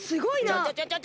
ちょちょちょちょ！